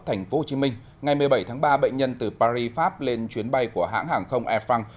tp hcm ngày một mươi bảy tháng ba bệnh nhân từ paris pháp lên chuyến bay của hãng hàng không air france